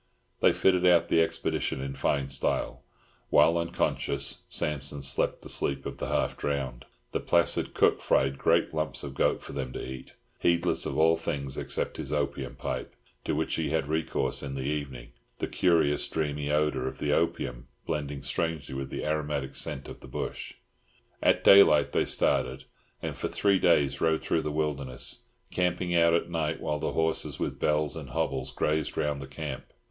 They fitted out the expedition in fine style, while unconscious Sampson slept the sleep of the half drowned. The placid Chinese cook fried great lumps of goat for them to eat, heedless of all things except his opium pipe, to which he had recourse in the evening, the curious dreamy odour of the opium blending strangely with the aromatic scent of the bush. At daylight they started, and for three days rode through the wilderness, camping out at night, while the horses with bells and hobbles grazed round the camp.